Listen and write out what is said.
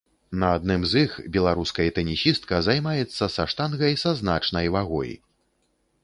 На адным з іх беларускай тэнісістка займаецца са штангай са значнай вагой.